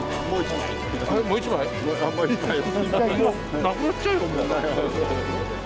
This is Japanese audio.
もう一枚？なくなっちゃうよ、もう。